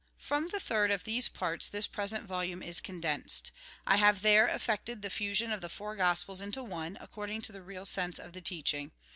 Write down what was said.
From the third of these parts this present vol ume is condensed. I have there effected the fusion of the four Gospels into one, according to the real sense of the teaching.